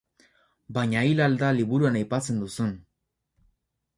Baina hil al da liburuan aipatzen duzun.